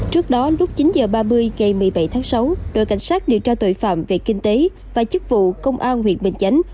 trước đó lúc chín h ba mươi ngày một mươi bảy tháng sáu đội cảnh sát điều tra tội phạm về kinh tế và chức vụ công an huyện bình chánh